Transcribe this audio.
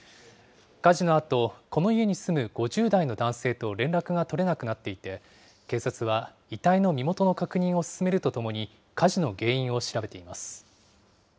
火事のあと、この家に住む５０代の男性と連絡が取れなくなっていて、警察は遺体の身元の確認を進めるとともに、火事の原因を調べています。